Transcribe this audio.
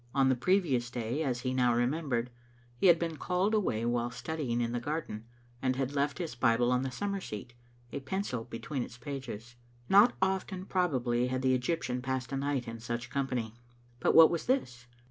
On the previous day, as he now remembered, he had been called away while studying in the garden, and had left his Bible on the summer seat, a pencil be tween its pages. Not often probably had the Egyptian passed a night in such company. But what was this?